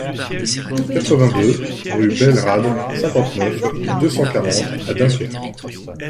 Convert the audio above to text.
quatre-vingt-deux rue Belle Rade, cinquante-neuf, deux cent quarante à Dunkerque